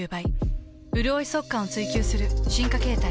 うるおい速乾を追求する進化形態。